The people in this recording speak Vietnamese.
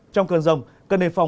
trong cơn rông cần đề phòng